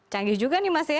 canggih juga nih mas ya